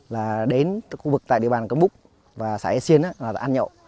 là đến khu vực tại địa bàn cấm búc và xã yà xiên là ăn nhậu